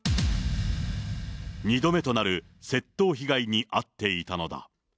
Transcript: ２度目となる窃盗被害に遭っていたのだ。